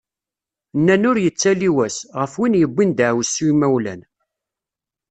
Nnan ur yettali wass, ɣef win yewwin daεwessu imawlan.